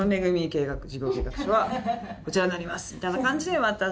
みたいな感じで。